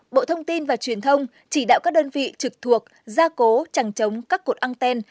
chín bộ thông tin và truyền thông chỉ đạo các đơn vị trực thuộc gia cố trằng chống các cột an ten